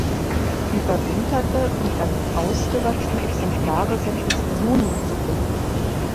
Überwinterte und dann ausgewachsene Exemplare sind bis Juni zu finden.